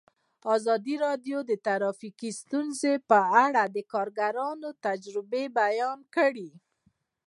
ازادي راډیو د ټرافیکي ستونزې په اړه د کارګرانو تجربې بیان کړي.